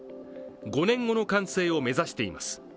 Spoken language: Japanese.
５年後の完成を目指しています。